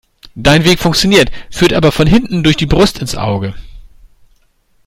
Dein Weg funktioniert, führt aber von hinten durch die Brust ins Auge.